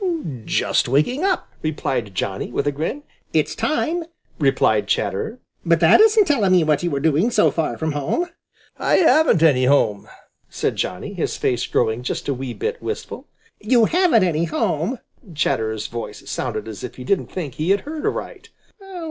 "Just waking up," replied Johnny, with a grin. "It's time," replied Chatterer. "But that isn't telling me what you are doing so far from home." "I haven't any home," said Johnny, his face growing just a wee bit wistful. "You haven't any home!" Chatterer's voice sounded as if he didn't think he had heard aright.